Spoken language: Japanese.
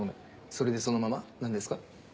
「それでそのまま」何ですか？